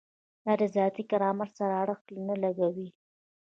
دا د ذاتي کرامت سره اړخ نه لګوي.